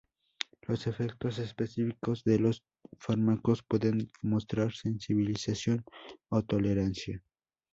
Los efectos específicos de los fármacos pueden mostrar sensibilización o tolerancia.